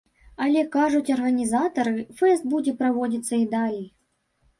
Але, кажуць арганізатары, фэст будзе праводзіцца і далей.